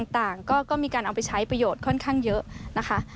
ต่างก็มีการเอาไปใช้ประโยชน์ค่อนข้างเยอะนะคะ